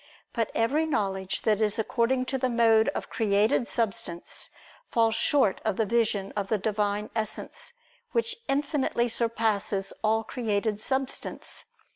But every knowledge that is according to the mode of created substance, falls short of the vision of the Divine Essence, which infinitely surpasses all created substance.